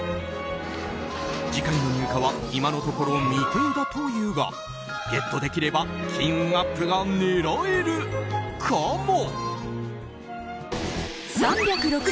次回の入荷は今のところ未定だというがゲットできれば金運アップが狙えるかも？